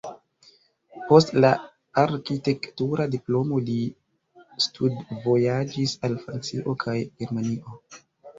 Post la arkitektura diplomo li studvojaĝis al Francio kaj Germanio.